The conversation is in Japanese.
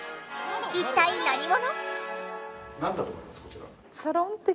一体何者！？